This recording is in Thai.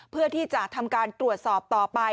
เพื่อที่จะทำการตรวจสอบต่อไป